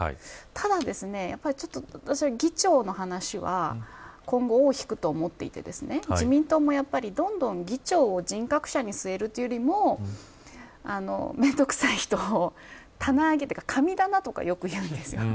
ただですね議長の話は今後、尾を引くと思っていて自民党もやっぱりどんどん議長を人格者に据えるというよりも面倒くさい人を神棚とかよく言うんですよ。